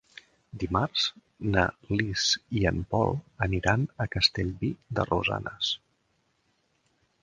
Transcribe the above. Dimarts na Lis i en Pol aniran a Castellví de Rosanes.